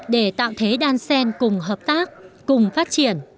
để tạo thế đan sen cùng hợp tác cùng phát triển